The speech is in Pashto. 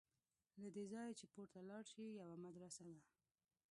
له دې ځایه چې پورته لاړ شې یوه مدرسه ده.